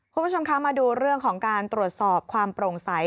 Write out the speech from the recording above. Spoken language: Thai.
คุณผู้ชมคะมาดูเรื่องของการตรวจสอบความโปร่งใส